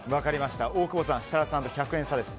大久保さん設楽さんと１００円差です。